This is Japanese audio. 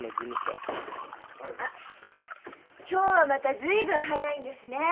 あっ今日はまた随分早いんですねえ。